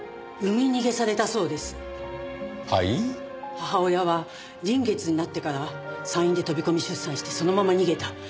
母親は臨月になってから産院で飛び込み出産してそのまま逃げた。